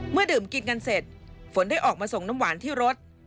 ดื่มกินกันเสร็จฝนได้ออกมาส่งน้ำหวานที่รถ